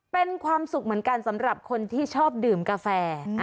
เป็นความสุขเหมือนกันสำหรับคนที่ชอบดื่มกาแฟ